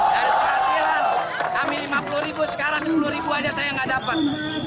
dan kehasilan kami lima puluh ribu sekarang sepuluh ribu saja saya tidak dapat